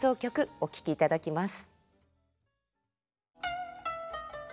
お聴きいただきます。